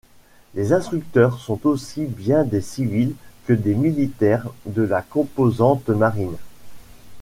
Les instructeurs sont aussi bien des civils que des militaires de la composante marine.